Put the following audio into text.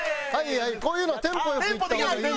こういうのはテンポ良くいった方がいい。